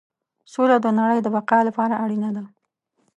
سوله د نړۍ د بقا لپاره اړینه ده.